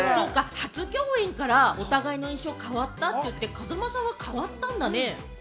初共演からお互いの印象は変わった？って言って、風間さんは変わったんだね。